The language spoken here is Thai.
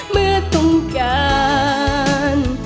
เมื่อต้องการ